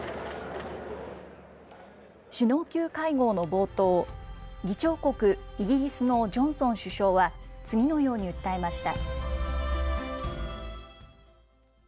首脳級会合の冒頭、議長国、イギリスのジョンソン首相は、次のように訴えました。